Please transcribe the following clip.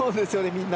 みんな。